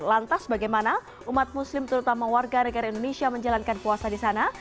lantas bagaimana umat muslim terutama warga negara indonesia menjalankan puasa di sana